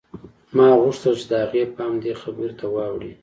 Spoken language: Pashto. ما غوښتل چې د هغې پام دې خبرې ته واوړي